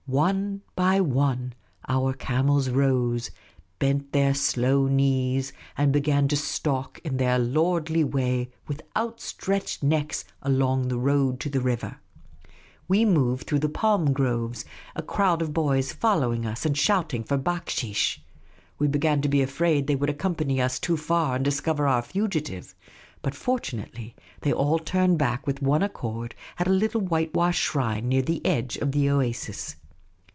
One by one the camels rose, bent their slow knees, and began to stalk in their lordly way with out stretched necks along the road to the river. We moved through the palm groves, a crowd of boys following us and 202 Miss Caylcy's Adventures shouting for backsheesh. We began to be afraid they would accompany us too far and discover our fugitive ; but fortun ately they all turned back with one accord at a little white washed shrine near the edge of the oasis.